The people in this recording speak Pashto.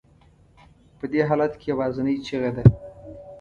په دې حالت کې یوازینۍ چیغه ده.